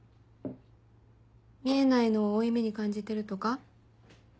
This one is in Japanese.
見えないのを負い目に感じてるとか？